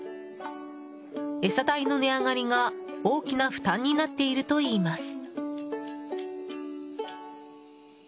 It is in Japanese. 餌代の値上がりが大きな負担になっているといいます。